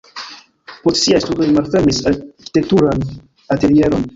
Post siaj studoj li malfermis arkitekturan atelieron.